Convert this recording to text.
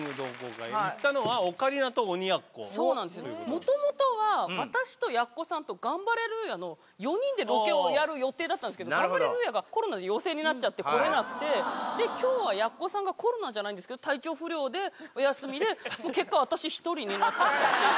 もともとは私とやっこさんとガンバレルーヤの４人でロケをやる予定だったんですけどガンバレルーヤがコロナで陽性になっちゃって来れなくて今日はやっこさんがコロナじゃないんですけど体調不良でお休みで結果私１人になっちゃったっていう。